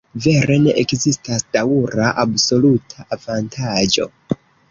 Vere ne ekzistas daŭra absoluta avantaĝo.